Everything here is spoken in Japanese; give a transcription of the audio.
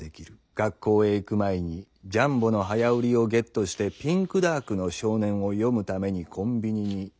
学校へ行く前に『ジャンボ』の早売りをゲットして『ピンクダークの少年』を読むためにコンビニに」。